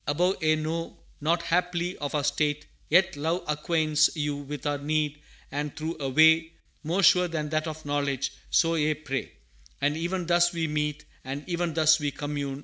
Above Ye know not haply of our state, yet Love Acquaints you with our need, and through a way More sure than that of knowledge so ye pray! "And even thus we meet, And even thus we commune!